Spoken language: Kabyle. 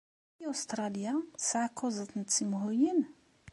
I Ustṛalya tesɛa kuẓet n tsemhuyin?